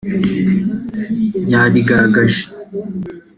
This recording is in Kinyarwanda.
yabigaragaje